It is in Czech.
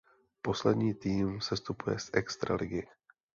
Poslední tým sestupuje z extraligy.